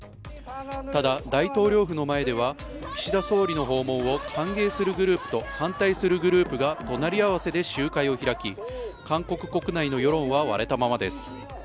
ただ大統領府の前では岸田総理の訪問を歓迎するグループと反対するグループが隣り合わせで集会を開き、韓国国内の世論は割れたままです。